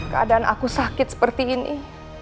keadaan aku sakit seperti ini